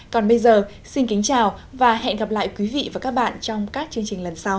còn bây giờ xin kính chào và hẹn gặp lại quý vị và các bạn trong các chương trình lần sau